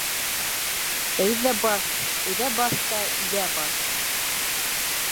— Әйҙә баҫ, өҙә баҫ та иҙә баҫ!